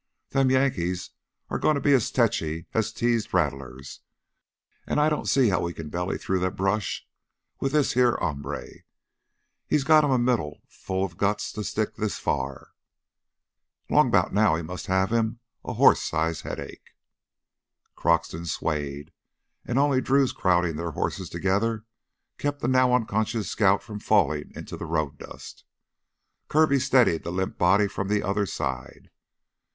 Them Yankees are gonna be as techy as teased rattlers. An' I don't see as how we can belly through the brush with this heah hombre. He's got him a middle full of guts to stick it this far. Long 'bout now he must have him a horse size headache...." Croxton swayed and only Drew's crowding their horses together kept the now unconscious scout from falling into the road dust. Kirby steadied the limp body from the other side.